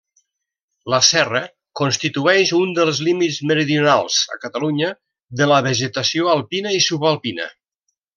La serra constitueix un dels límits meridionals, a Catalunya, de la vegetació alpina i subalpina.